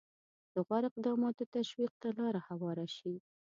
د غوره اقداماتو تشویق ته لاره هواره شي.